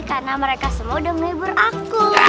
karena mereka semua udah ngelibur aku